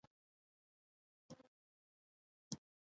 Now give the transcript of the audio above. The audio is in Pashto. پوهان په دې لویږي.